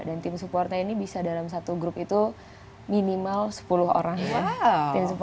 dan tim supportnya ini bisa dalam satu grup itu minimal sepuluh orang